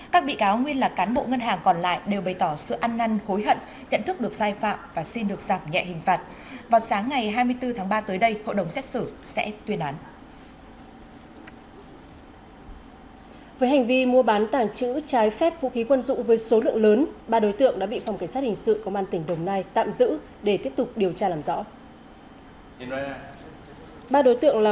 các bị cáo nguyên là cán bộ ngân hàng còn lại đều bày tỏ sự ăn năn hối hận nhận thức được sai phạm và xin được giảm nhẹ hình phạt